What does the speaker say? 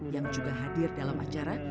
yang juga hadir dalam acara